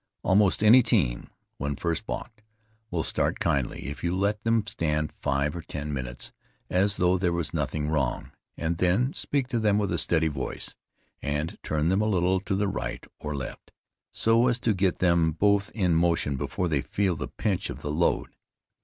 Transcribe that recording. Almost any team, when first balked, will start kindly, if you let them stand five or ten minutes, as though there was nothing wrong, and then speak to them with a steady voice, and turn them a little to the right or left, so as to get them both in motion before they feel the pinch of the load.